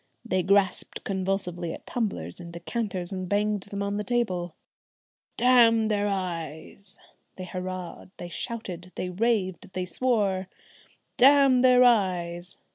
they grasped convulsively at tumblers and decanters and banged them on the table. "Damn their eyes!" they hurrahed, they shouted, they raved, they swore. "Damn their eyes!"